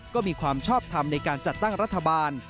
ก็มีความชอบทำในการจัดตั้งรัฐบาล